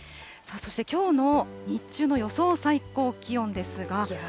そして、きょうの日中の予想最高気温ですが。